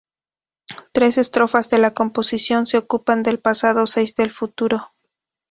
Tres estrofas de la composición se ocupan del pasado, seis del futuro.